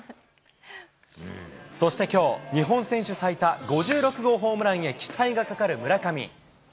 そしてきょう、日本選手最多５６号ホームランへ期待がかかる村上。